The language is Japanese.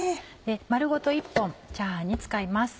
丸ごと１本チャーハンに使います。